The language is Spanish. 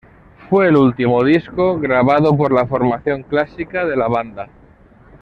Fue el último disco grabado por la formación clásica de la banda.